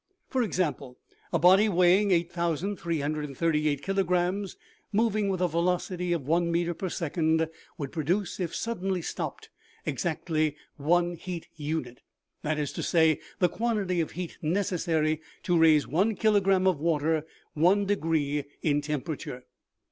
For example, a body weighing 8338 kilograms, moving with a velocity of one meter per second, would produce, if suddenly stopped, exactly One heat unit ; that is to say, the quantity of heat necessary to raise one kilogram of water one degree in temperature.